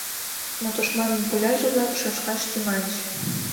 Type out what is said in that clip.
Но тушманын пуляже-влак шӱшкаш тӱҥальыч.